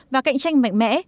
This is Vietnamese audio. và cạnh tranh mạnh mẽ